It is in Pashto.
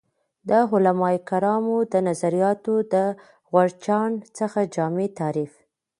د علمای کرامو د نظریاتو د غورچاڼ څخه جامع تعریف